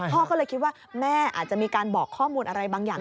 พ่อก็เลยคิดว่าแม่อาจจะมีการบอกข้อมูลอะไรบางอย่าง